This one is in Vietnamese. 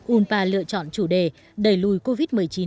unpa lựa chọn chủ đề đẩy lùi covid một mươi chín